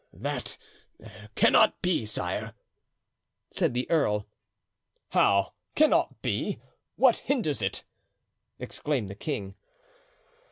"That cannot be, sire," said the earl. "How, cannot be? What hinders it?" exclaimed the king.